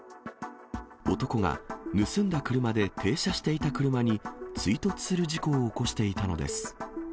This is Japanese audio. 男が盗んだ車で停車していた車に追突する事故を起こしていたのです。